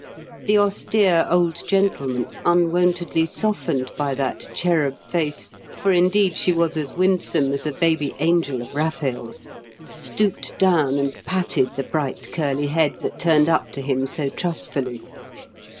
The austere old gentleman, unwontedly softened by that cherub face—for indeed she was as winsome as a baby angel of Raphael's—stooped down and patted the bright curly head that turned up to him so trustfully.